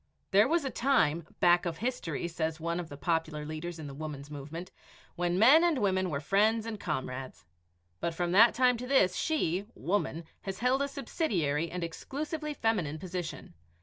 There was a time "back of history," says one of the popular leaders in the Woman's movement, "when men and women were friends and comrades but from that time to this she (woman) has held a subsidiary and exclusively feminine position.